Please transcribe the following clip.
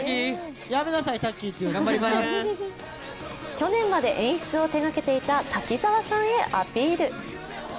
去年まで演出を手がけていた滝沢さんへアピール。